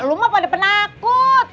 lu mah pada penakut